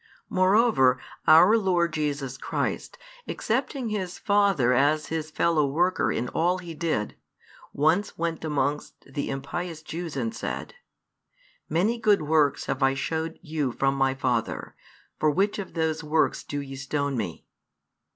Moreover, our Lord Jesus Christ, accepting His Father as His Fellow worker in all He did, once went amongst the impious Jews and said: Many good works have I showed you from My Father: for which of those works do ye stone Me?